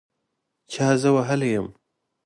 چا زه وهلي یم